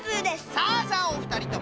さあさあおふたりとも！